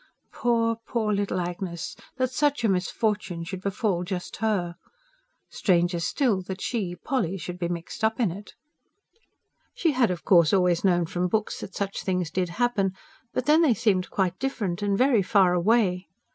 Poor, poor little Agnes! That such a misfortune should befall just her! Stranger still that she, Polly, should be mixed up in it. She had, of course, always known from books that such things did happen; but then they seemed quite different, and very far away.